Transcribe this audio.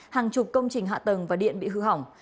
hàng chục công trình hạ tầng và điện bị hư hỏng